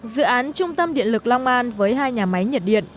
dự án trung tâm điện lực long an với hai nhà máy nhiệt điện